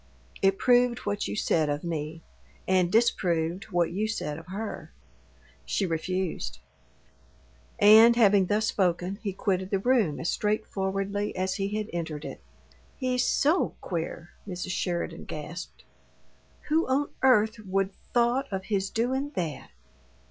It proved what you said of me, and disproved what you said of her. She refused." And, having thus spoken, he quitted the room as straightforwardly as he had entered it. "He's SO queer!" Mrs. Sheridan gasped. "Who on earth would thought of his doin' THAT?"